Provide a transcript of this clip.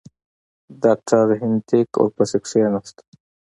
ډاکټر هینټیګ ورپسې کښېنست.